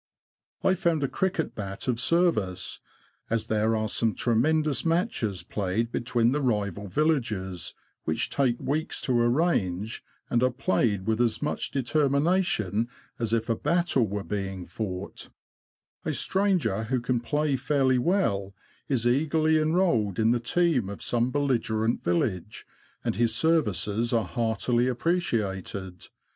I found a cricket bat of service, as there are some tremendous matches played between the rival villages, which take weeks to arrange, and are played with as much determination as if a battle were being fought. 22 THE LAND OF THE BROADS. A stranger who can play fairly well is eagerly enrolled in the team of some belligerent village, and his ser vices are heartily appreciated.